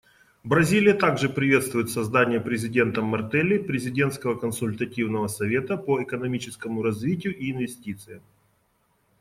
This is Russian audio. Бразилия также приветствует создание президентом Мартелли президентского консультативного совета по экономическому развитию и инвестициям.